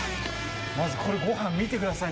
まずこれ、ごはん見てください。